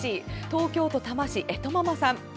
東京都多摩市、えとママさん。